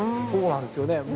そうなんですよね。